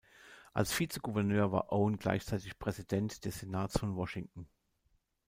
Als Vizegouverneur war Owen gleichzeitig Präsident des Senats von Washington.